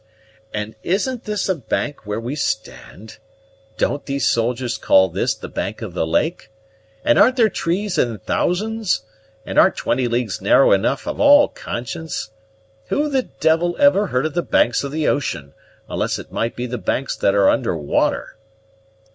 "And isn't this a bank where we stand? Don't these soldiers call this the bank of the lake? And aren't there trees in thousands? And aren't twenty leagues narrow enough of all conscience? Who the devil ever heard of the banks of the ocean, unless it might be the banks that are under water?"